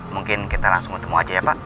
mungkin kita langsung ketemu aja ya pak